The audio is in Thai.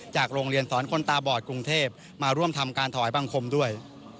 โรงเรียนสอนคนตาบอดกรุงเทพมาร่วมทำการถวายบังคมด้วย